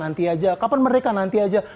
nanti aja kapan mereka nanti aja